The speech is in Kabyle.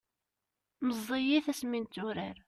meẓẓiyit asmi netturar